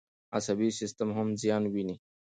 عصبي سیستم هم زیان ویني.